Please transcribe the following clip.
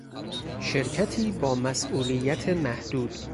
شرکتی با مسئولیت محدود